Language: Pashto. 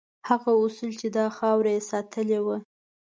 هغه اصول چې دا خاوره یې ساتلې وه.